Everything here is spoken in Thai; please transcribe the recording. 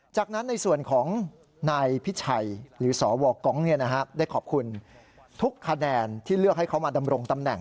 จากนั้นในส่วนของนายพิชัยหรือสวกองได้ขอบคุณทุกคะแนนที่เลือกให้เขามาดำรงตำแหน่ง